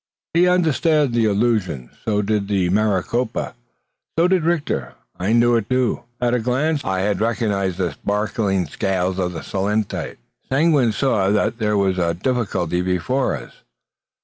He understood the illusion; so did the Maricopa; so did Reichter. I knew it too. At a glance I had recognised the sparkling scales of the selenite. Seguin saw that there was a difficulty before us.